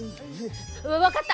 分かった！